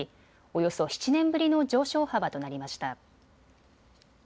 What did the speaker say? およそ７年ぶりの上昇幅となりました。